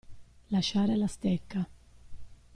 Lasciare la stecca.